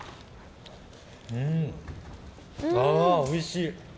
ああ、おいしい！